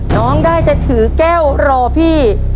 น้องได้จะถือแก้วรอพี่